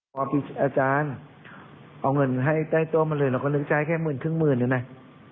พอพี่อาจารย์เอาเงินให้ใต้ตัวมาเลยเราก็นึกจ่ายแค่หมื่นถึงหมื่นอย่างนั้น